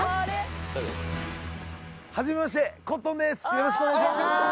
よろしくお願いします